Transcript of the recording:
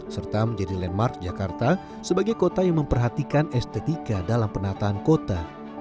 serta menjadi landmark jakarta sebagai kota yang memperhatikan estetika dalam penataan kota